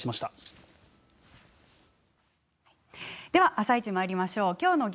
では「あさイチ」まいりましょう。